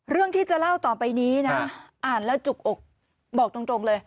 เรื่องที่จะเล่าต่อไปนี้นะอ่านแล้วจุกอกบอกตรงเลย